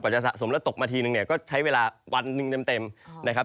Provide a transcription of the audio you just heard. จะสะสมแล้วตกมาทีนึงเนี่ยก็ใช้เวลาวันหนึ่งเต็มนะครับ